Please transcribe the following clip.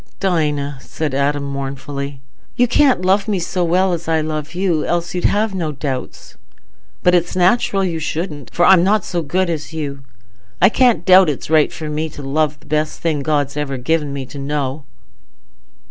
"Dinah," said Adam mournfully, "you can't love me so well as I love you, else you'd have no doubts. But it's natural you shouldn't, for I'm not so good as you. I can't doubt it's right for me to love the best thing God's ever given me to know."